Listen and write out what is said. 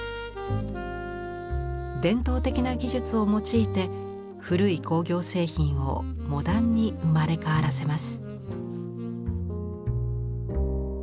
伝統的な技術を用いて古い工業製品をモダンに生まれ変わらせます。